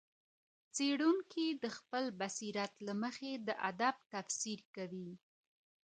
څېړونکی د خپل بصیرت له مخې د ادب تفسیر کوي.